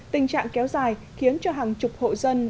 tình trạng kéo dài khiến cho hàng chục hộ dân